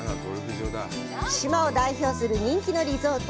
島を代表する人気のリゾート。